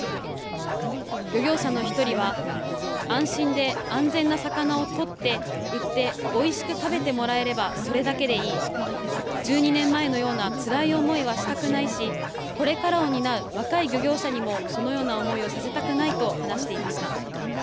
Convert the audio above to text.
漁業者の１人は安心で安全な魚をとって、売っておいしく食べてもらえればそれだけでいい１２年前のようなつらい思いはしたくないしこれからを担う若い漁業者にもそのような思いをさせたくないと話していました。